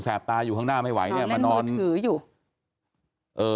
ตาอยู่ข้างหน้าไม่ไหวเนี่ยมานอนถืออยู่เอ่อ